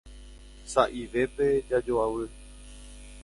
Sa'ivépe jajoavy.